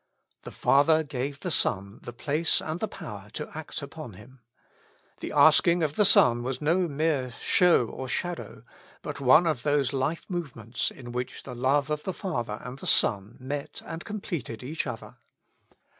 The Father gave the Son the place and the power to act upon Him. The asking of the Son was no mere show or shadow, but one of those life move ments in which the love of the Father and the Son 137 With Christ in the School of Prayer. met and completed each other.